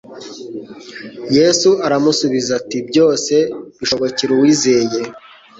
Yesu aramusubiza ati :« Byose bishobokera uwizeye. »